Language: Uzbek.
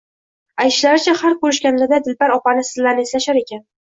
Aytishlaricha, har ko`rishishganida Dilbar opani, sizlarni eslashar ekan